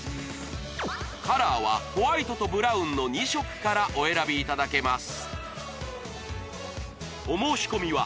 カラーはホワイトとブラウンの２色からお選びいただけます